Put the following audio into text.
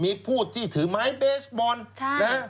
มีผู้ที่ถือไม้เบสบอลนะฮะ